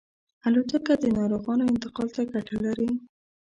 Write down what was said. الوتکه د ناروغانو انتقال ته ګټه لري.